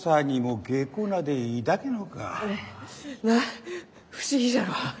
なあ不思議じゃろう？